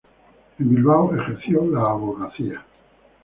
En Bilbao ejerció la abogacía.